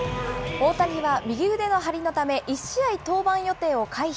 大谷は右腕の張りのため、１試合登板予定を回避。